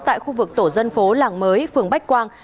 tại khu vực tổ dân phố làng mới phường bách quang